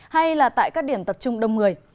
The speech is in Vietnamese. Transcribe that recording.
hay là tại các điểm tập trung đông người